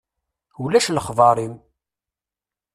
Ulac lexber-im.